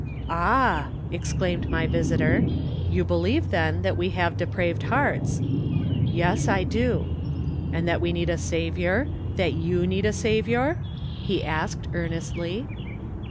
" Ah !" exclaimed my visitor, " you believe, then, that we have depraved hearts ?"" Yes, I db." " And that we need a Saviour ?— that you need a Saviour ?" he asked, earnestly.